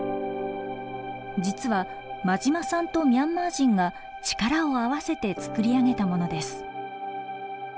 実は馬島さんとミャンマー人が力を合わせてつくり上げたものです。